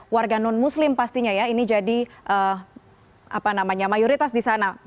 warga non muslim pastinya ya ini jadi mayoritas di sana